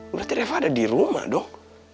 berarti reva ada di rumah dong